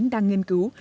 đang nghiên cứu